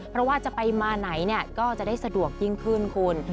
เพราะว่าจะไปมาไหนเนี่ยก็จะได้สะดวกยิ่งขึ้นคุณ